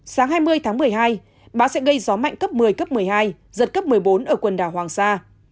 sáng hai mươi tháng một mươi hai bão sẽ gây gió mạnh cấp một mươi cấp một mươi hai giật cấp một mươi bốn ở quần đảo hoàng sa